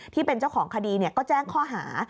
ที่เป็นเจ้าของคดีก็แจ้งข้อหา